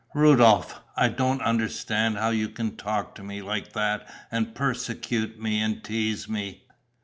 "Rudolph, I don't understand how you can talk to me like that and persecute me and tease me